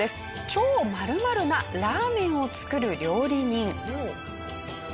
超○○なラーメンを作る料理人。